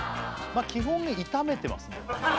まっ基本炒めてますね